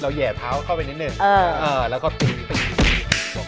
เราแหย่เท้าเข้าไปนิดแล้วก็ตุ๊กตุ๊กตุ๊ก